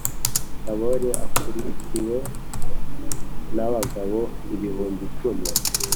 Tabori akurikiwe na ba bagabo ibihumbi icumi.